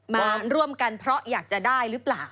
มาร่วมกันเพราะอยากจะได้หรือเปล่า